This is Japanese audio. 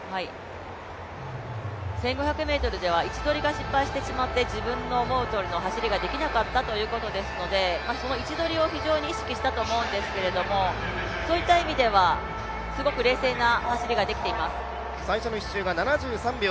１５００ｍでは位置取りが失敗して自分の思う走りができなかったということですので、その位置取りを非常に意識したと思うんですけれども、そういった意味ではすごく冷静な走りができています。